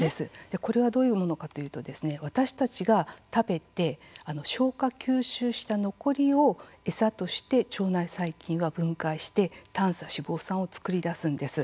これはどういうものかというと私たちが食べて消化、吸収した残りを餌として腸内細菌は分解して短鎖脂肪酸を作り出すんです。